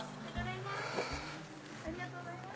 ありがとうございます。